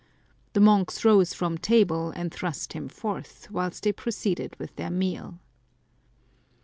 The monks rose from table, and thrust him forth, whilst they proceeded with their meal.